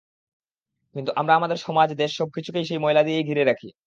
কিন্তু আমরা আমাদের সমাজ, দেশ সবকিছুকেই সেই ময়লা দিয়েই ঘিরে রাখি।